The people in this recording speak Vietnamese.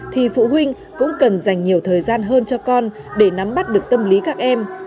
thì phụ huynh cũng cần dành nhiều thời gian hơn cho con để nắm bắt được tâm lý các em